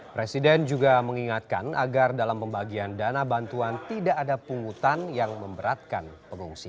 presiden juga mengingatkan agar dalam pembagian dana bantuan tidak ada pungutan yang memberatkan pengungsi